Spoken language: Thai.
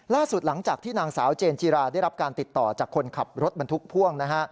ล่าสุดหลังจากที่นางสาวเจนจิราได้รับการติดต่อจากคนขับรถบรรทุกพ่วงนะฮะ